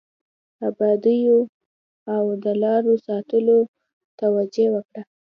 ابادیو او د لارو ساتلو ته توجه وکړه.